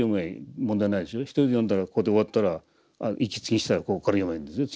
１人で読んだらここで終わったら息継ぎしたらここから読めばいいんですよ